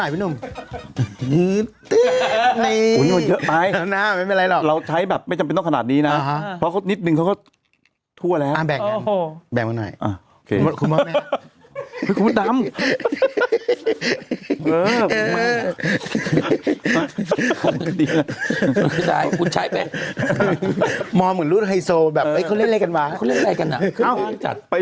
เพื่อที่จะแบบว่าอ่ะให้รางวัลมันกระจาย